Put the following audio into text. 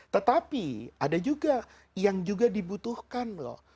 tetapi ada juga yang juga dibutuhkan loh